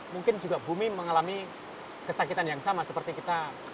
mungkin juga bumi mengalami kesakitan yang sama seperti kita